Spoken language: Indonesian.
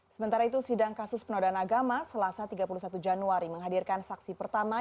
sementara itu sidang kasus penodaan agama selasa tiga puluh satu januari menghadirkan saksi pertama